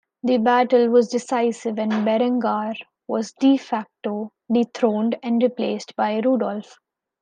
The battle was decisive and Berengar was "de facto" dethroned and replaced by Rudolf.